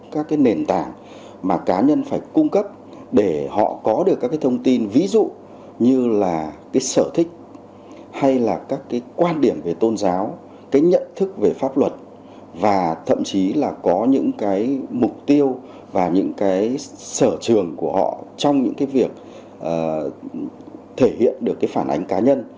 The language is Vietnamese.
các cái nền tảng mà cá nhân phải cung cấp để họ có được các cái thông tin ví dụ như là cái sở thích hay là các cái quan điểm về tôn giáo cái nhận thức về pháp luật và thậm chí là có những cái mục tiêu và những cái sở trường của họ trong những cái việc thể hiện được cái phản ánh cá nhân